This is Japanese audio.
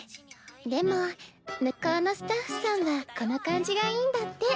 でも向こうのスタッフさんはこの感じがいいんだって。